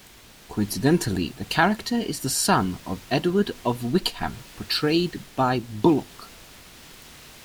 Coincidently the character is the son of Edward of Wickham portrayed by Bulloch.